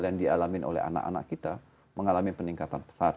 yang dialami oleh anak anak kita mengalami peningkatan pesat